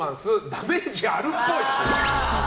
ダメージあるっぽい。